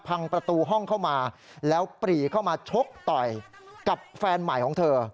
พังประตูห้องเข้ามาแล้วปรีเข้ามาชกต่อยกับแฟนใหม่ของเธอ